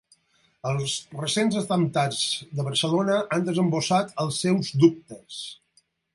Els recents atemptats de Barcelona han desembussat els seus dubtes.